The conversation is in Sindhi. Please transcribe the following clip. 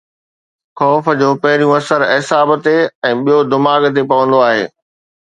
خوف جو پهريون اثر اعصاب تي ۽ ٻيو دماغ تي پوندو آهي.